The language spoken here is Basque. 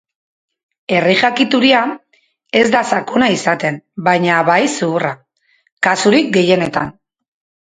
Herri-jakituria ez da sakona izaten baina bai zuhurra, kasurik gehienetan.